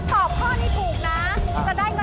ถ้าตอบข้อนี้ถูกนะ